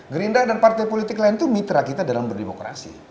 gerindra dan partai politik lain itu mitra kita dalam berdemokrasi